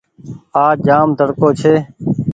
آج جآم تڙڪو ڇي